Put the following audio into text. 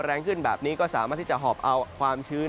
แรงขึ้นแบบนี้ก็สามารถที่จะหอบเอาความชื้น